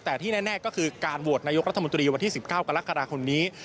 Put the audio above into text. แต่ที่แน่ก็คือการโหวตนายกรัฐมนตรีวันที่๑๙กรกฎาคมนี้